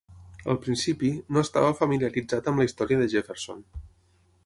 Al principi, no estava familiaritzat amb la història de Jefferson.